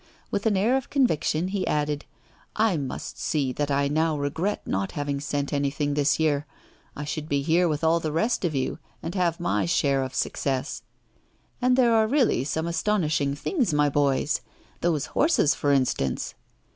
With an air of conviction he added: 'I must say that I now regret not having sent anything this year! I should be here with all the rest of you, and have my share of success. And there are really some astonishing things, my boys! those horses, for instance.